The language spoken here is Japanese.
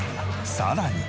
さらに。